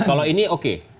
kalau ini oke